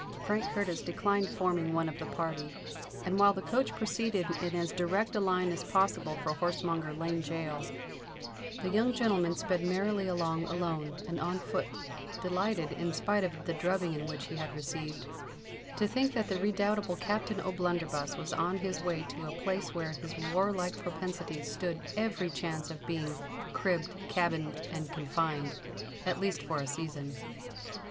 Frank Curtis declined forming one of the party; and while the coach proceeded in as direct a line as possible for Horsemonger Lane gaol, the young gentleman sped merrily along alone and on foot, delighted, in spite of the drubbing which he had received, to think that the redoubtable Captain O'Blunderbuss was on his way to a place where his warlike propensities stood every chance of being "cribb'd, cabin'd, and confin'd," at least for a season.